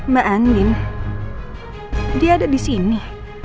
mbak andin dia ada disini